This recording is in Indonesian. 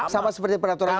sama seperti peraturan ini